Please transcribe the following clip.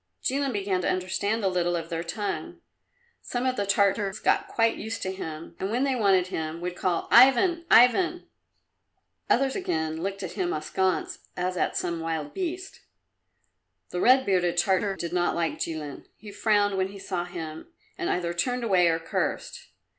Jilin began to understand a little of their tongue. Some of the Tartars got quite used to him, and when they wanted him would call "Ivan, Ivan!" Others again looked at him askance as at some wild beast. The red bearded Tartar did not like Jilin. He frowned when he saw him, and either turned away or cursed.